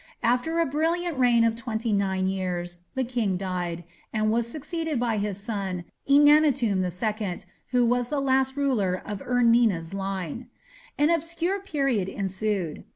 After a brilliant reign of twenty nine years the king died, and was succeeded by his son, Enannatum II, who was the last ruler of Ur Nina's line. An obscure period ensued.